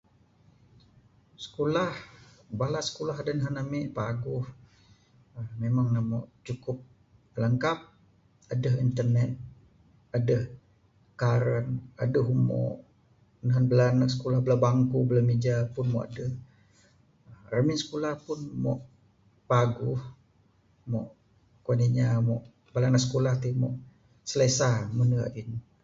Skulah bala skulah nehen ami paguh memang ne meh cukup langkap adeh internet. Adeh internet adeh karen adeh umo. Nehen bala ne skulah bala bangku bala mija pun meh adeh. Ramin skulah pun moh paguh kuan inya mo bala inya da skulah ti mo slesa